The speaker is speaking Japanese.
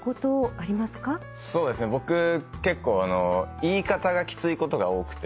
僕結構言い方がきついことが多くて。